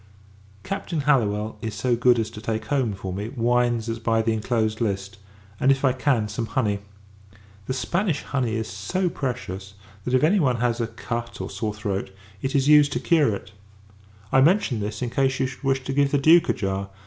Captain Hallowell is so good as to take home, for me, wine as by the inclosed list; and, if I can, some honey. The Spanish honey is so precious, that if [any one has] a cut, or sore throat, it is used to cure it. I mention this, in case you should wish to give the Duke a jar.